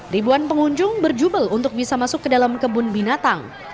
ribuan pengunjung berjubel untuk bisa masuk ke dalam kebun binatang